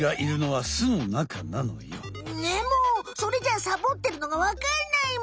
でもそれじゃサボってるのがわかんないむ。